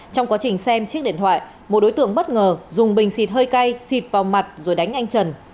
trong quá trình xem chiếc điện thoại một đối tượng bất ngờ dùng bình xịt hơi cay xịt vào mặt rồi đánh anh trần